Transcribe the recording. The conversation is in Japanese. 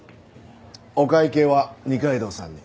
お会計は二階堂さんに。